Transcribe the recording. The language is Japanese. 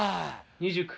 ２９。